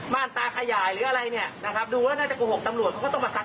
ตาขยายหรืออะไรเนี่ยนะครับดูว่าน่าจะโกหกตำรวจเขาก็ต้องประทัก